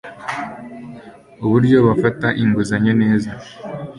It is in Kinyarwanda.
uburyo bafata inguzanyo neza